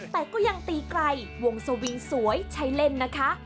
แต่ก็ยังตีไกลวงสวิงสวยใช้เล่นนะคะ